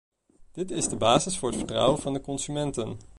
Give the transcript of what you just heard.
Dat is de basis voor het vertrouwen van de consumenten.